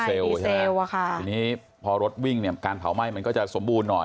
ทีนี้พอรถวิ่งเนี่ยการเผาไหม้มันก็จะสมบูรณ์หน่อย